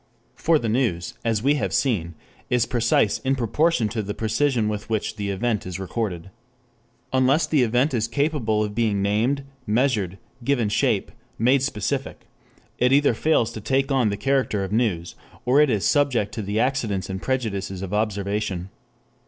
For the news, as we have seen, is precise in proportion to the precision with which the event is recorded. Unless the event is capable of being named, measured, given shape, made specific, it either fails to take on the character of news, or it is subject to the accidents and prejudices of observation.